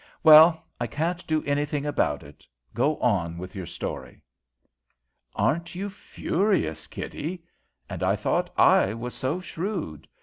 "Well, I can't do anything about it. Go on with your story." "Aren't you furious, Kitty! And I thought I was so shrewd.